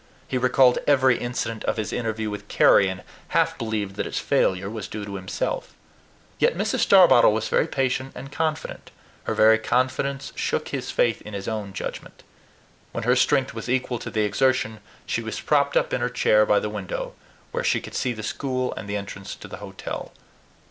He recalled every incident of his interview with Carry, and half believed that its failure was due to himself. Yet Mrs. Starbottle was very patient and confident; her very confidence shook his faith in his own judgment. When her strength was equal to the exertion, she was propped up in her chair by the window, where she could see the school and the entrance to the hotel.